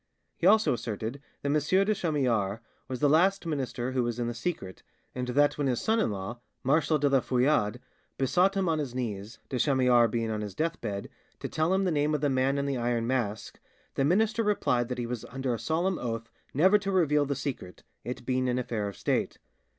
He also asserted that M. de Chamillart was the last minister who was in the secret, and that when his son in law, Marshal de la Feuillade, besought him on his knees, de Chamillart being on his deathbed, to tell him the name of the Man in the Iron Mask, the minister replied that he was under a solemn oath never to reveal the secret, it being an affair of state.